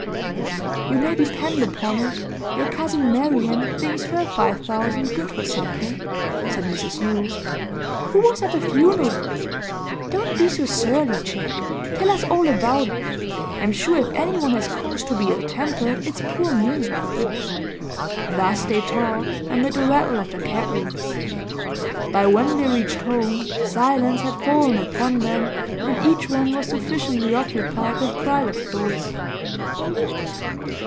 'You may depend upon it your cousin Marian thinks her five thousand good for something,' said Mrs Yule. 'Who was at the funeral? Don't be so surly, Jack; tell us all about it. I'm sure if anyone has cause to be ill tempered it's poor me.' Thus they talked, amid the rattle of the cab wheels. By when they reached home silence had fallen upon them, and each one was sufficiently occupied with private thoughts.